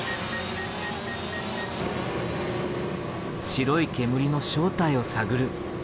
白い煙の正体を探る。